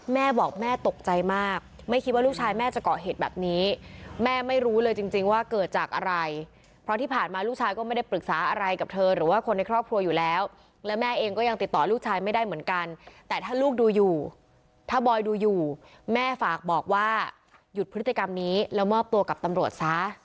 แม่บอกแม่ตกใจมากไม่คิดว่าลูกชายแม่จะเกาะเหตุแบบนี้แม่ไม่รู้เลยจริงว่าเกิดจากอะไรเพราะที่ผ่านมาลูกชายก็ไม่ได้ปรึกษาอะไรกับเธอหรือว่าคนในครอบครัวอยู่แล้วและแม่เองก็ยังติดต่อลูกชายไม่ได้เหมือนกันแต่ถ้าลูกดูอยู่ถ้าบอยดูอยู่แม่ฝากบอกว่าหยุดพฤติกรรมนี้แล้วมอบตัวกับตำรวจซะ